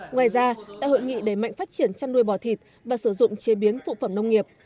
ngoài ra tại hội nghị đẩy mạnh phát triển chăn nuôi bò thịt và sử dụng chế biến phụ phẩm nông nghiệp